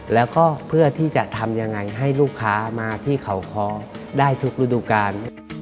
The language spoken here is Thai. แล้วก็เพื่อที่จะทำยังไงให้ลูกค้ามาที่เขาคอได้ทุกฤดูกาล